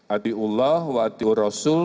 aduh allah wa atuhu rasul